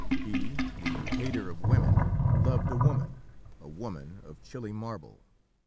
He, the hater of women, loved a woman a woman of chilly marble.